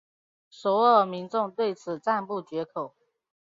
首尔民众对此赞不绝口。